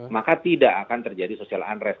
maka tidak akan terjadi sosial unrest